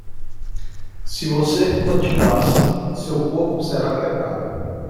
Se você continuar assim, seu corpo será quebrado.